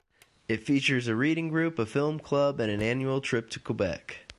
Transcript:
It features a reading group, a film club, and an annual trip to Quebec.